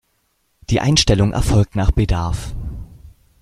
Die Einstellung erfolgt nach Bedarf.